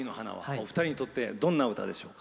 お二人にとってどんな歌でしょう。